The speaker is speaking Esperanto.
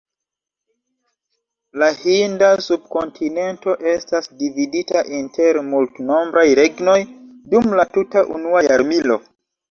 La Hinda subkontinento estas dividita inter multnombraj regnoj dum la tuta unua jarmilo.